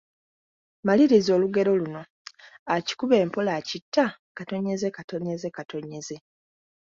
Maliriza olugero luno: Akikuba empola akitta...